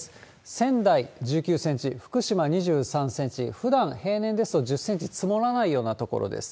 仙台１９センチ、福島２３センチ、ふだん、平年ですと１０センチ積もらないような所です。